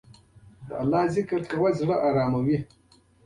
د الله ذکر، د زړه ارام دی.